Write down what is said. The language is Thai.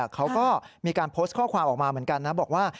เขาก็มีการโพสต์ข้อความออกมาเหมือนกันนะบอกว่า